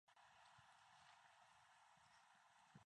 I was a kid, and he was a much older guy.